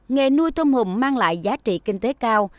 nghề nuôi tôm hùm mang lại giá trị kinh tế cao